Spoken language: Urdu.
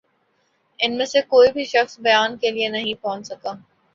ان میں سے کوئی بھِی شخص بیان کے لیے نہیں پہنچ سکا